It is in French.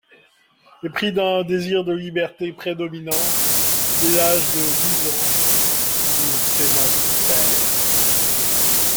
Épris d'un désir de liberté prédominant, dès l'âge de douze ans, ils s'émancipèrent.